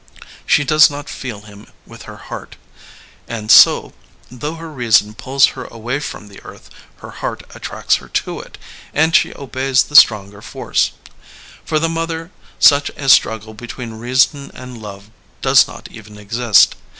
She does not feel him with her heart. And so, though her reason pulls her away from the earth, her heart attracts her to it, and she obeys the LEONID ANDREYEV 21 stronger force. For the mother sucn a struggle between reason and love does not even exist.